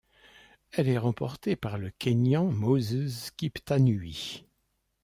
Elle est remportée par le Kényan Moses Kiptanui.